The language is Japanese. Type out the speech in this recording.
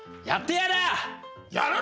やってやらあ！